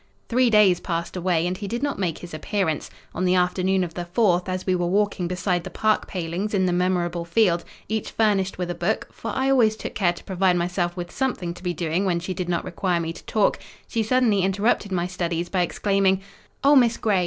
Three days passed away, and he did not make his appearance. On the afternoon of the fourth, as we were walking beside the park palings in the memorable field, each furnished with a book (for I always took care to provide myself with something to be doing when she did not require me to talk), she suddenly interrupted my studies by exclaiming— "Oh, Miss Grey!